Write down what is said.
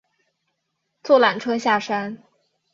坐缆车下山